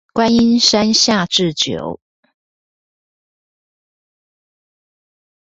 觀音山下智久